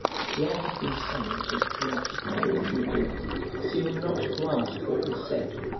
Pierre had been silent and preoccupied all through dinner, seeming not to grasp what was said.